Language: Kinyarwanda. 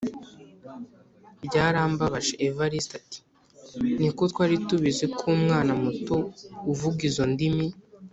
Ryarambabaje Evariste ati “Ni ko twari tubizi ko umwana muto uvuga izo ndimi